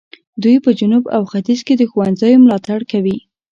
دوی په جنوب او ختیځ کې د ښوونځیو ملاتړ کوي.